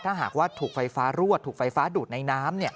ถ้าหากว่าถูกไฟฟ้ารั่วถูกไฟฟ้าดูดในน้ำ